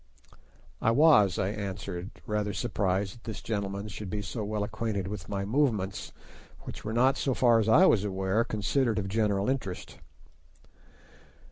"I was," I answered, rather surprised that this gentleman should be so well acquainted with my movements, which were not, so far as I was aware, considered of general interest.